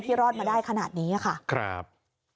ที่รอดมาได้ขนาดนี้อ่ะค่ะครับ